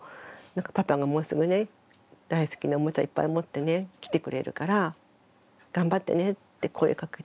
「パパがもうすぐね大好きなおもちゃいっぱい持ってね来てくれるから頑張ってね」って声かけてたのは覚えてて。